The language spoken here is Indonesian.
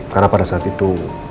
karena pada saat itu